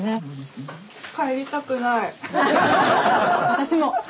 私も！